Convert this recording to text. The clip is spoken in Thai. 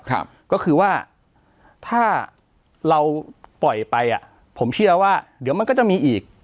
ก็คือว่าถ้าเราปล่อยไปอ่ะผมเชื่อว่าเดี๋ยวมันก็จะมีอีก